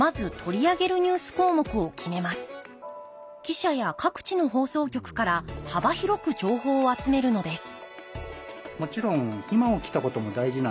記者や各地の放送局から幅広く情報を集めるのです